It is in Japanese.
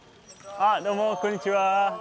あっどうもこんにちは。